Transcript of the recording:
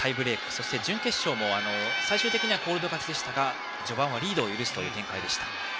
そして準決勝も最終的にはコールド勝ちでしたが序盤はリードを許す展開でした。